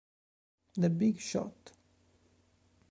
The Big Shot